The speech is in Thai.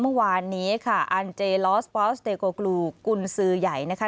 เมื่อวานนี้ค่ะอันเจลอสปอสเตโกกลูกุญสือใหญ่นะคะ